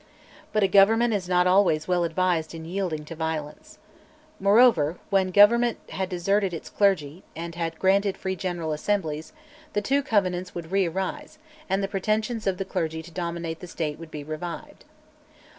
But a Government is not always well advised in yielding to violence. Moreover, when Government had deserted its clergy, and had granted free General Assemblies, the two Covenants would re arise, and the pretensions of the clergy to dominate the State would be revived.